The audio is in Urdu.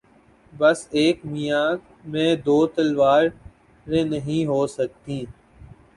بس ایک میان میں دو تلواریں نہیں ہوسکتیں